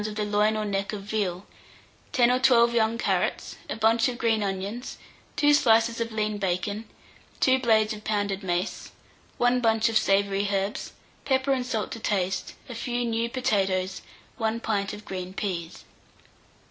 of the loin or neck of veal, 10 or 12 young carrots, a bunch of green onions, 2 slices of lean bacon, 2 blades of pounded mace, 1 bunch of savoury herbs, pepper and salt to taste, a few new potatoes, 1 pint of green peas.